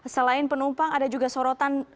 selain penumpang ada juga sorotan